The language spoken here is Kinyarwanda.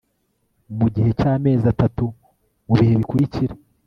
mu gihe cy'amezi atatu mu bihe bikurikira